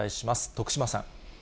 徳島さん。